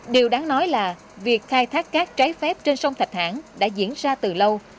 điều đáng nói là việc khai thác cát trái phép trên sông thạch hãn đã diễn ra từ lâu